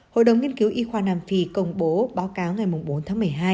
hội đồng nghiên cứu y khoa nam phi công bố báo cáo ngày bốn tháng một mươi hai